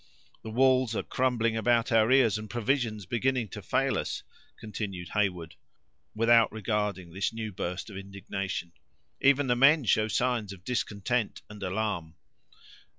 "The walls are crumbling about our ears, and provisions begin to fail us," continued Heyward, without regarding the new burst of indignation; "even the men show signs of discontent and alarm."